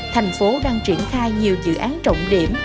thành phố đang triển khai nhiều dự án trọng điểm